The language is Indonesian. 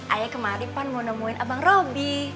ayah kemari kan mau nemuin abang robby